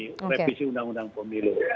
revisi undang undang pemilu